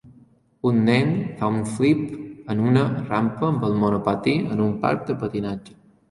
Un nen fa un flip en una rampa amb el monopatí en un parc de patinatge.